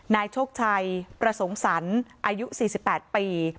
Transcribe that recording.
นายโชคชัยประสงสัญอายุ๔๘ปี